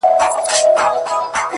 هله تياره ده په تلوار راته خبري کوه؛